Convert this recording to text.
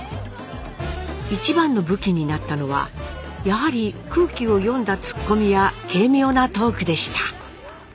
一番の武器になったのはやはり空気を読んだ突っ込みや軽妙なトークでした。